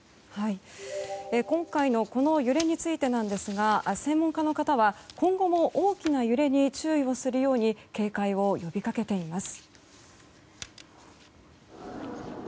今回のこの揺れについてなんですが専門家の方は今後も大きな揺れに注意をするように警戒を呼びかけています。